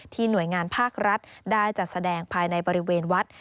หน่วยงานภาครัฐได้จัดแสดงภายในบริเวณวัด